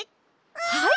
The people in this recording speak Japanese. はい！